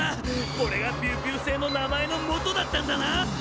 これがピューピューせいのなまえのもとだったんだな。